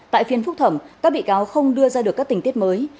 tại phiên phúc thẩm các bị cáo không đưa ra được các tình tiết mới